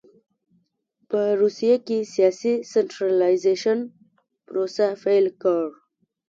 په روسیه کې سیاسي سنټرالایزېشن پروسه پیل کړ.